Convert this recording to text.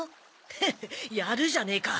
フッやるじゃねえか。